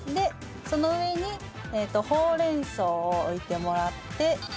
その上にほうれん草を置いてもらって。